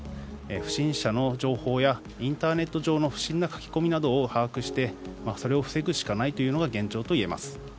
不審者の情報やインターネット上の不審な書き込みなどを把握してそれを防ぐしかないのが現状と言えます。